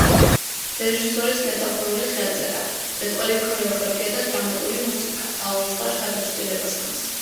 რეჟისორის მეტაფორული ხელწერა, მეტყველი ქორეოგრაფია და დრამატული მუსიკა, დაუვიწყარ შთაბეჭდილებას ქმნის.